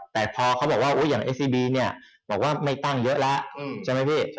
แต่พอเขาบอกว่ามันไม่ตั้งเยอะแล้ว